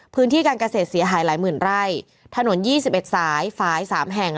พื้นที่การเกษตรเสียหายหลายหมื่นไร่ถนนยี่สิบเอ็ดสายสามแห่ง